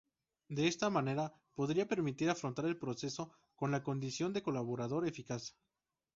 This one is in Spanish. De esta manera podría permitir afrontar el proceso con la condición de colaborador eficaz.